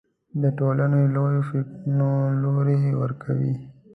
د ټولنې لویو فکرونو لوری ورکوي